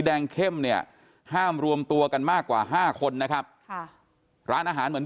แดงเข้มเนี่ยห้ามรวมตัวกันมากกว่า๕คนนะครับค่ะร้านอาหารเหมือน